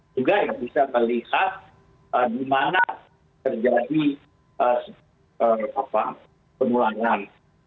juga yang bisa melihat di mana terjadi penularan